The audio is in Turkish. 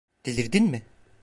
Delirdin mi?